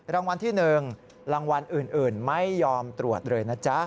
รางวัลที่๑รางวัลอื่นไม่ยอมตรวจเลยนะจ๊ะ